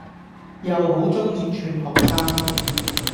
又好鍾意串學生⠀